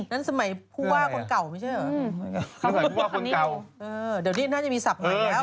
นั่นสมัยผู้ว่าคนเก่าไม่ใช่เหรอ